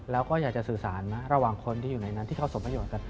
แล้วก็อยากจะสื่อสารระหว่างคนที่อยู่ในนั้นที่เขาสมประโยชนกัน